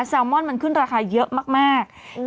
แซลมอนมันขึ้นราคาเยอะมากมากอืม